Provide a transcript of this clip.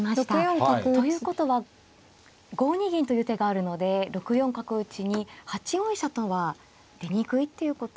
ということは５二銀という手があるので６四角打に８四飛車とは出にくいっていうこと。